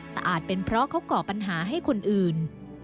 แต่อาจเป็นเพราะเขาก่อปัญหาให้คนอื่น